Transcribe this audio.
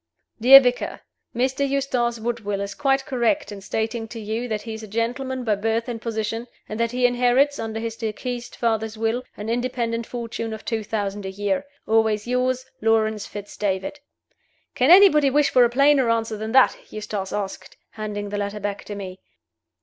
"DEAR VICAR Mr. Eustace Woodville is quite correct in stating to you that he is a gentleman by birth and position, and that he inherits (under his deceased father's will) an independent fortune of two thousand a year. "Always yours, "LAWRENCE FITZ DAVID." "Can anybody wish for a plainer answer than that?" Eustace asked, handing the letter back to me.